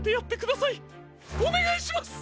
おねがいします！